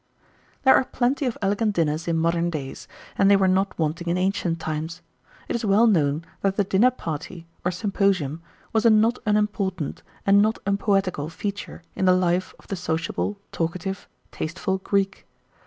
1883. There are plenty of elegant dinners in modern days, and they were not wanting in ancient times. It is well known that the dinner party, or symposium, was a not unimportant, and not unpoetical, feature in the life of the sociable, talkative, tasteful Greek.